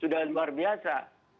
sudah luar biasa